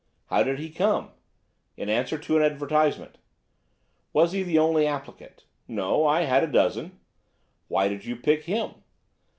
"How did he come?" "In answer to an advertisement." "Was he the only applicant?" "No, I had a dozen." "Why did you pick him?"